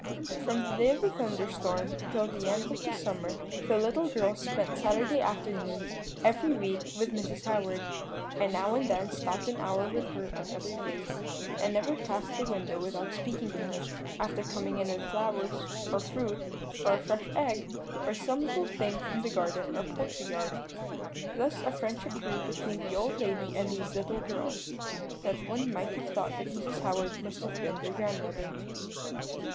"From the day of the thunderstorm till the end of the summer the little girls spent Saturday afternoon, every week, with Mrs. Howard, and now and then stopped an hour with her on other days; and never passed the window without speaking to her, often coming in with flowers, or fruit, or a fresh egg, or some little thing from the garden or poultry yard. Thus such a friendship grew up between the old lady and these little girls, that one might have thought that Mrs. Howard must have been their grandmother.